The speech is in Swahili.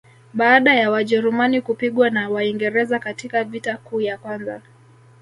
baada ya wajerumani kupigwa na waingereza katika vita kuu ya kwanza